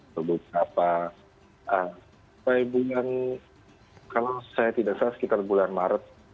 beberapa bulan kalau saya tidak salah sekitar bulan maret